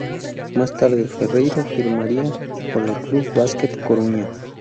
Más tarde, Ferreiro firmaría por el Club Basquet Coruña.